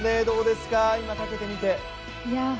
どうですか、今、かけてみて。